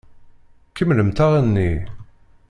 Kemmlemt aɣenni!